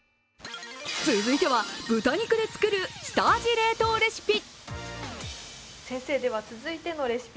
続いては、豚肉で作る下味冷凍レシピ。